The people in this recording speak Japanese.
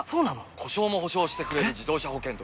故障も補償してくれる自動車保険といえば？